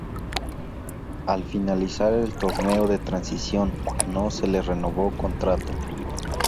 Al finalizar el Torneo de Transición, no se le renovó contrato.